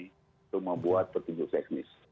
untuk membuat petunjuk teknis